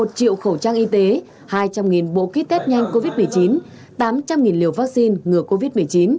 một triệu khẩu trang y tế hai trăm linh bộ ký test nhanh covid một mươi chín tám trăm linh liều vaccine ngừa covid một mươi chín